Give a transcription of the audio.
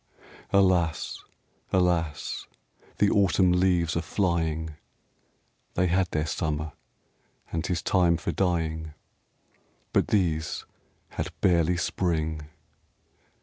Alas, alas, the Autumn leaves are flying ! They had their Summer and 'tis time for dying. But these had barely Spring.